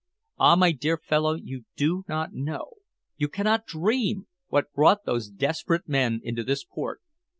Ah! my dear fellow, you do not know you cannot dream what brought those desperate men into this port.